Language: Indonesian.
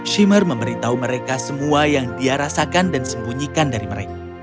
shimer memberitahu mereka semua yang dia rasakan dan sembunyikan dari mereka